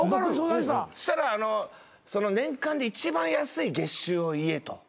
そしたら年間で一番安い月収を言えと。